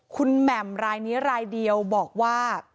คุณแหม่มรายนี้รายเดียวบอกว่า